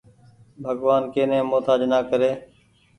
ڀڳوآن ڪي ني مهتآج نآ ڪري۔